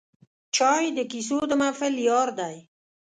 چای د کیسو د محفل یار دی